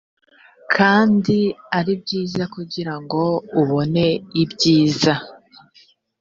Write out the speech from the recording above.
kandi ari byiza kugira ngo ubone ibyiza